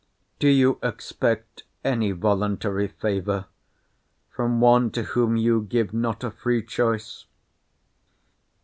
Do you expect any voluntary favour from one to whom you give not a free choice?